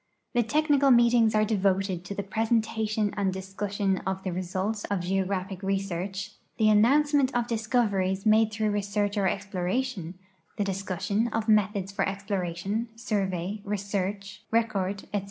The technical meetings are devoted to the presentation and discussion of the results of geographic research, the announce ment of discoveries made through research or exploration, the discussion of methods for exploration, survey, research, record, etc.